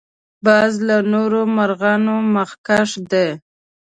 باز له نورو مرغانو مخکښ دی